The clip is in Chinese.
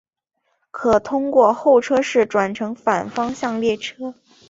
可通过候车室转乘反方向列车。